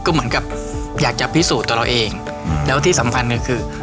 ก็เหมือนกับอยากจะพิสูจน์ตัวเราเองแล้วที่สำคัญหนึ่งคือ